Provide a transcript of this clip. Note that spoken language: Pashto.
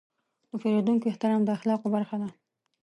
د پیرودونکو احترام د اخلاقو برخه ده.